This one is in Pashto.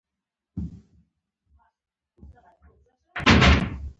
هغې وویل محبت یې د لمر په څېر ژور دی.